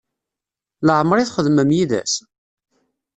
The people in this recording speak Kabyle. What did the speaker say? Leɛmeṛ i txedmem yid-s?